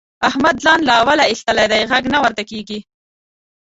احمد ځان له اوله اېستلی دی؛ غږ نه ورته کېږي.